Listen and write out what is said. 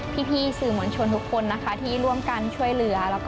พี่สื่อมุลชนทุกคนนะคะที่ร่วมกันช่วยเหลือและรับตัว